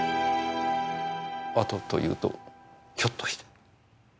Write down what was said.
「あと」というとひょっとして？